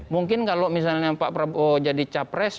mungkin kalau misalnya pak prabowo jadi capres